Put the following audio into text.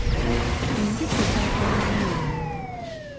Enjuki zaagala nnyo ebimuli.